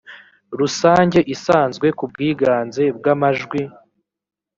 rusange isanzwe ku bwiganze bw amajwi